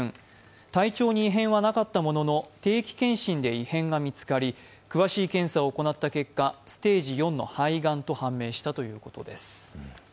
体調に異変はなかったものの、定期健診で異変が見つかり、詳しい検査を行った結果、ステージ４の肺がんと判明したということです。